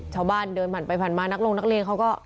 ชาวบ้านเดินผ่านไปผ่านมานักลงนักเรียนเขาก็